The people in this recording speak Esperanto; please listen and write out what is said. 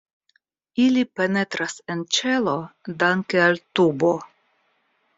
Ili penetras en ĉelo danke al tubo.